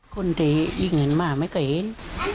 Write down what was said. คนที่ยิงกันมาไม่เคยเห็น